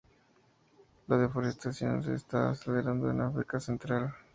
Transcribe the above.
La deforestación se está acelerando en África Central.